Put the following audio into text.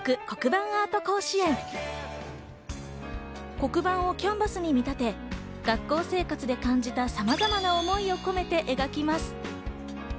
黒板をキャンバスに見立て、学校生活で感じたさまざまな思いを込めて描きます。